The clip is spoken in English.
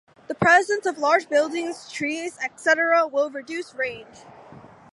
The presence of large buildings, trees, etc., will reduce range.